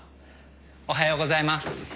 おはようございます。